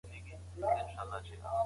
ايا ته منډه وهې؟